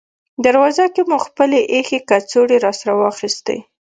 دروازه کې مو خپلې اېښې کڅوړې راسره واخیستې.